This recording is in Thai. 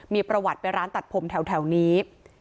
มีประวัติไปร้านตัดผมแถวนี้